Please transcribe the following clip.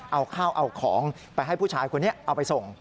เอาข้าวเอาของไปให้ผู้ชายคนนี้เอาไปส่ง